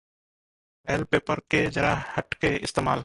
foil paper के जरा हटके इस्तेमाल